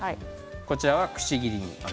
こちらは、くし切りに。